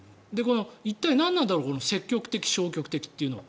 一体何なんだろう積極的、消極的というのは。